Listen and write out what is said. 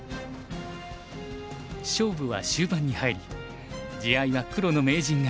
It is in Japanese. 勝負は終盤に入り地合いは黒の名人がリード。